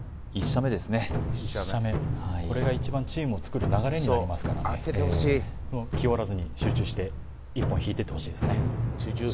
１射目これが一番チームをつくる流れになりますからね気負らずに集中して１本引いてってほしいですね